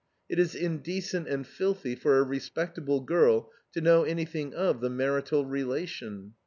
It is indecent and filthy for a respectable girl to know anything of the marital relation.